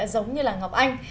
giống như là ngọc anh